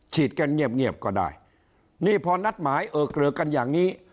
กันเงียบเงียบก็ได้นี่พอนัดหมายเออเกลือกันอย่างนี้